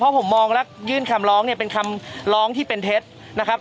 เพราะผมมองและยื่นคำร้องเนี่ยเป็นคำร้องที่เป็นเท็จนะครับ